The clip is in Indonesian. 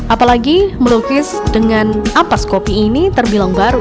apalagi melukis dengan ampas kopi ini terbilang baru